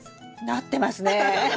なってますね。